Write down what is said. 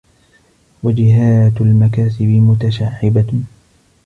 وَجِهَاتُ الْمَكَاسِبِ مُتَشَعِّبَةٌ